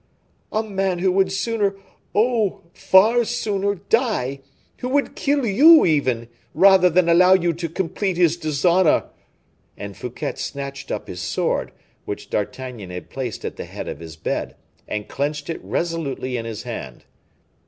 "A man who would sooner, oh! far sooner, die; who would kill you even, rather than allow you to complete his dishonor." And Fouquet snatched up his sword, which D'Artagnan had placed at the head of his bed, and clenched it resolutely in his hand.